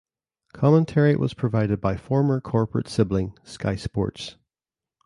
Commentary was provided by former corporate sibling Sky Sports.